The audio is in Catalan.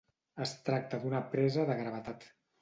Es tracta d'una presa de gravetat.